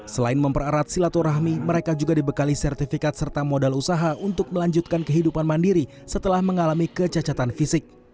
selain mempererat silaturahmi mereka juga dibekali sertifikat serta modal usaha untuk melanjutkan kehidupan mandiri setelah mengalami kecacatan fisik